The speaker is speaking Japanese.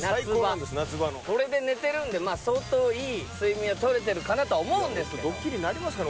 夏場これで寝てるんでまあ相当いい睡眠は取れてるかなとは思うんですけどドッキリになりますかね？